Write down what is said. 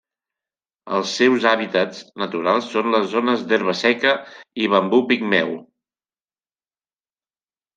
Els seus hàbitats naturals són les zones d'herba seca i bambú pigmeu.